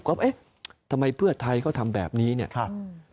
ก็เอ๊ะทำไมเพื่อไทยเขาทำแบบนี้เนี่ยครับ